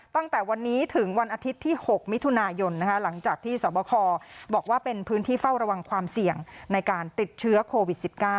ตั้งแต่วันนี้ถึงวันอาทิตย์ที่๖มิถุนายนหลังจากที่สวบคบอกว่าเป็นพื้นที่เฝ้าระวังความเสี่ยงในการติดเชื้อโควิด๑๙